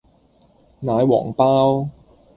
奶皇包